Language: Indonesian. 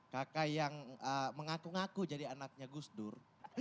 kakak yang mengaku ngaku jadi anaknya gus dur